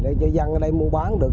để cho dân ở đây mua bán được